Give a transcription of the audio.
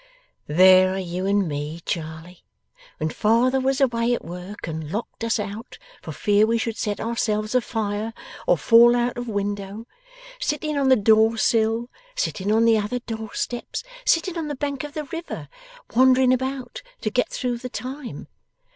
'There are you and me, Charley, when father was away at work and locked us out, for fear we should set ourselves afire or fall out of window, sitting on the door sill, sitting on other door steps, sitting on the bank of the river, wandering about to get through the time.